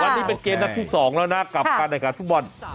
วันนี้เป็นเกมนักที่๒แล้วนะกลับกันในการฟุตบอล